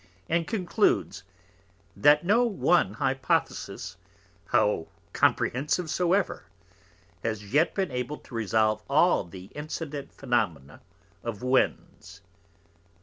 and concludes, 'That no one Hypothesis, how Comprehensive soever, has yet been able to resolve all the Incident Phenomena of Winds.